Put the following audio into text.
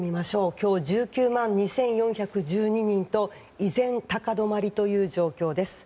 今日、１９万２４１２人と依然、高止まりという状況です。